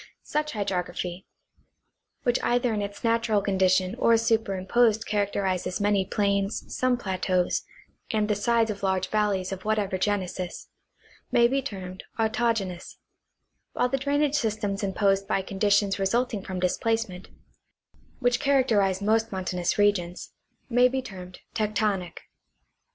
Such hydrography (which either in its natural condition or superimposed characterizes many plains, some plateaus, and the sides of large valleys of whatever genesis) may be termed autogenoics ; while the drainage systems imposed by conditions resulting from displacement (which charactei'ize most mountainous regions) may be termed tectonic.